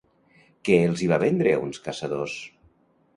Què els hi va vendre a uns caçadors?